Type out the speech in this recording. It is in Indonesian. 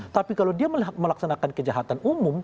tapi kalau dia melaksanakan kejahatan umum